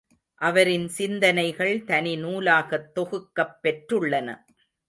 அவரின் சிந்தனைகள் தனி நூலாகத் தொகுக்கப் பெற்றுள்ளன.